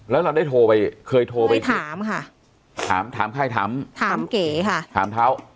แล้วเราได้โทรไปเคยโทรไปถามค่ะถามถามใครถามถามเก๋ค่ะถามเท้า